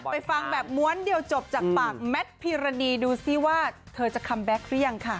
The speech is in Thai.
ฟังแบบม้วนเดียวจบจากปากแมทพีรณีดูซิว่าเธอจะคัมแบ็คหรือยังค่ะ